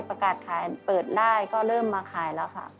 ประกาศขายเปิดได้ก็เริ่มมาขายแล้วค่ะ